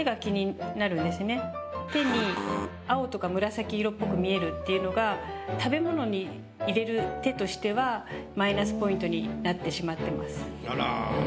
手に青とか紫色っぽく見えるっていうのが食べ物に入れる手としてはマイナスポイントになってしまってます。